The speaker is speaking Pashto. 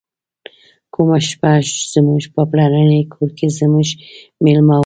کومه شپه زموږ په پلرني کور کې زموږ میلمه و.